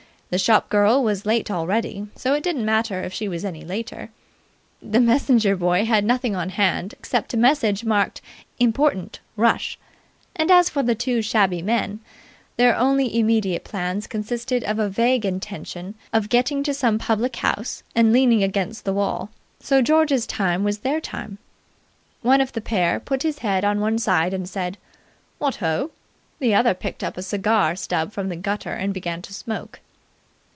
The shop girl was late already, so it didn't matter if she was any later; the messenger boy had nothing on hand except a message marked "Important: Rush"; and as for the two shabby men, their only immediate plans consisted of a vague intention of getting to some public house and leaning against the wall; so George's time was their time. One of the pair put his head on one side and said: "What ho!"; the other picked up a cigar stub from the gutter and began to smoke.